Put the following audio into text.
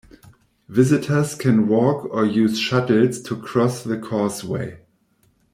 Visitors can walk or use shuttles to cross the causeway.